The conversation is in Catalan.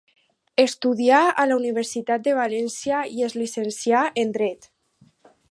Estudià a la Universitat de València i es llicencià en dret.